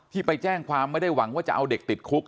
ไปแจ้งความไม่ได้หวังว่าจะเอาเด็กติดคุก